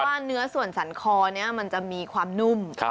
ว่าเนื้อส่วนสันคอนี้มันจะมีความนุ่ม